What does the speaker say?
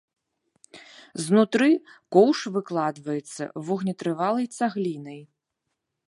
Знутры коўш выкладваецца вогнетрывалай цаглінай.